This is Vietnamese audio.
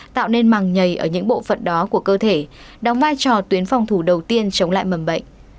tạo nên màng nhảy ở những bộ phận đó của cơ thể đóng vai trò tuyến phòng thủ đầu tiên chống lại mầm bệnh